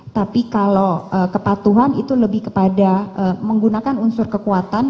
tapi kalau kepatuhan itu lebih kepada menggunakan unsur kekuatan